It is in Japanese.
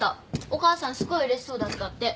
お母さんすごいうれしそうだったって。